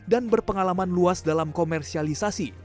dan berpengalaman luas dalam komersialisasi